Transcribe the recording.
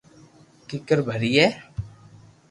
ڪيڪر ڀرئي